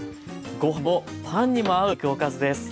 ご飯にもパンにも合うひき肉おかずです。